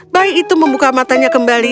bayi itu membuka matanya kembali